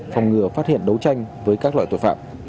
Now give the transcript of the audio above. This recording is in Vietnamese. phòng ngừa phát hiện đấu tranh với các loại tội phạm